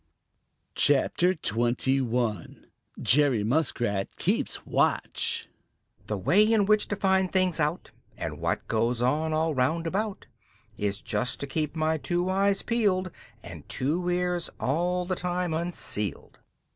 CHAPTER XXI: Jerry Muskrat Keeps Watch "The way in which to find things out, And what goes on all round about, Is just to keep my two eyes peeled And two ears all the time unsealed."